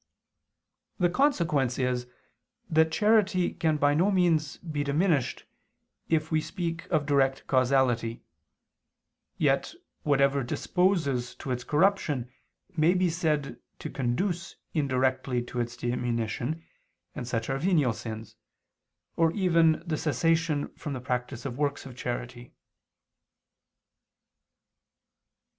The consequence is that charity can by no means be diminished, if we speak of direct causality, yet whatever disposes to its corruption may be said to conduce indirectly to its diminution, and such are venial sins, or even the cessation from the practice of works of charity.